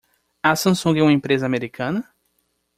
A Samsung é uma empresa americana?